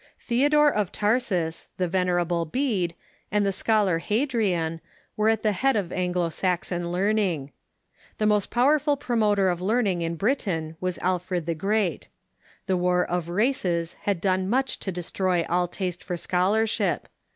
Theodore of Tarsus, the Venerable Bede, and the scholar Hadrian, were at the head of Anglo Saxon learning. The most powerful promoter of learning in Britain was Alfred the Great. The war of races had done much to destroy all taste for scholarship.